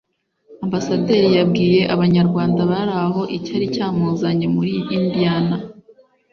Ambasaderi yabwiye Abanyarwanda bari aho icyari cyamuzanye muri Indiana